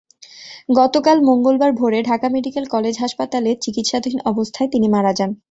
গতকাল মঙ্গলবার ভোরে ঢাকা মেডিকেল কলেজ হাসপাতালে চিকিৎসাধীন অবস্থায় তিনি মারা যান।